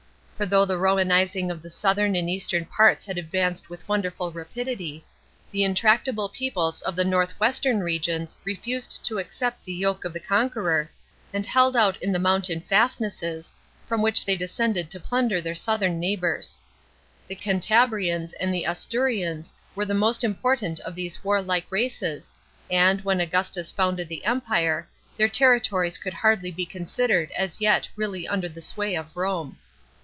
For though the Romanising of the southern and eastern parts had advanced with wonderful rapidity, the intractable peoples of the north western regions refused to accept the yoke of the conqueror, and held out in the mountain fastnesses, from which they descended to plunder their southern neighbours. The Cantabrians and the Asturians were the most important of these warlike races, and. when Augustus founded the Empire, their territories could hardly be considered as yet really under the sway of Rome.